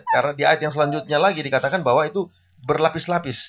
karena di ayat yang selanjutnya lagi dikatakan bahwa itu berlapis lapis